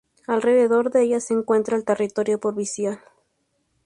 Alrededor de ella se encuentra el territorio provincial.